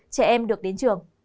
trẻ em được đến trường